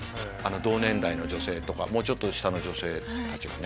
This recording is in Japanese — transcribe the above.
同年代の女性とかもうちょっと下の女性たちがね。